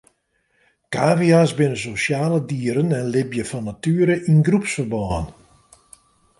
Kavia's binne sosjale dieren en libje fan natuere yn groepsferbân.